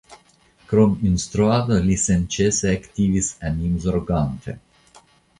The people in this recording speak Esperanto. Krom instruado li senĉese aktivis animzorgante.